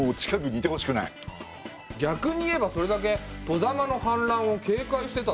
逆に言えばそれだけ外様の反乱を警戒してたってことかな？